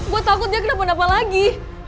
gue takut dia kenapa napa lagi